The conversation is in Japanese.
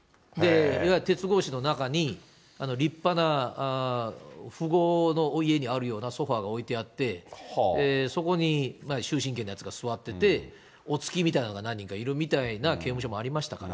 いわゆる鉄格子の中に立派な富豪の家にあるようなソファが置いてあって、そこに終身刑のやつが座ってて、お付きみたいなのが何人かいるみたいな刑務所もありましたから。